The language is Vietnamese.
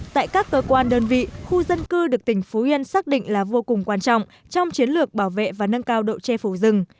tại các cơ quan đơn vị khu dân cư được tỉnh phú yên xác định là vô cùng quan trọng trong chiến lược bảo vệ và nâng cao độ che phủ rừng